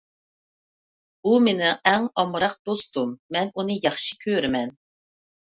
ئۇ مېنىڭ ئەڭ ئامراق دوستۇم. مەن ئۇنى ياخشى كۆرىمەن.